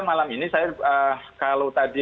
malam ini saya kalau tadi